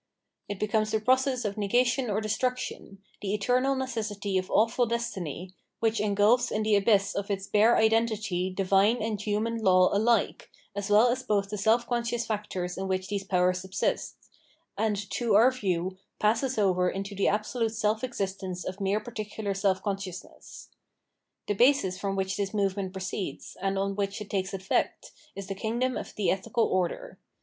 It becomes the process of negation or destruction, the eternal necessity of awful destiny, which engulfs in the abyss of itp bare identity divine and human law alike, as well as both the self conscious factors in which these powers subsist ; and, to our view, passes over into the absolute self existence of mere particular self consciousness. The basis from which this movement proceeds, and on which it takes effect, is the kingdom of the ethical order.